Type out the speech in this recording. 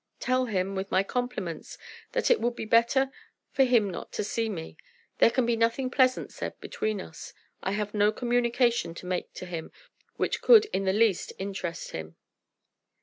Tell him, with my compliments, that it will be better for him not to see me. There can be nothing pleasant said between us. I have no communication to make to him which could in the least interest him."